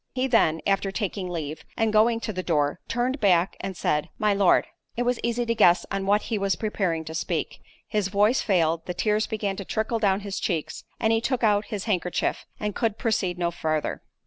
He then, after taking leave, and going to the door—turned back and said, "My Lord,"— It was easy to guess on what he was preparing to speak—his voice failed, the tears began to trickle down his cheeks, he took out his handkerchief, and could proceed no farther.